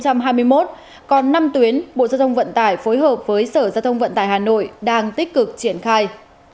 còn năm tuyến bộ giao thông vận tải phối hợp với sở giao thông vận tải hà nội đang tích cực triển khai